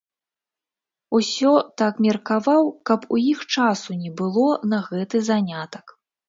Усё так меркаваў, каб у іх часу не было на гэты занятак.